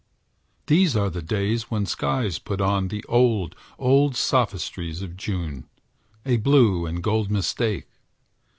These are the days when skies put on The old, old sophistries of June, A blue and gold mistake.